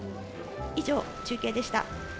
以上、中継でした。